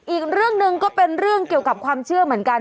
อีกเรื่องหนึ่งก็เป็นเรื่องเกี่ยวกับความเชื่อเหมือนกัน